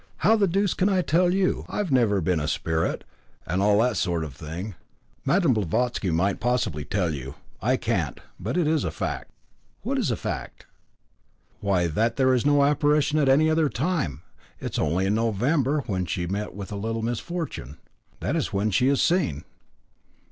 "How the deuce can I tell you? I've never been a spirit, and all that sort of thing. Mme. Blavatsky might possibly tell you. I can't. But it is a fact." "What is a fact?" "Why, that there is no apparition at any other time It is only in November, when she met with a little misfortune. That is when she is seen."